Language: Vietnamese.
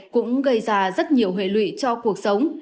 cũng gây ra rất nhiều hệ lụy cho cuộc sống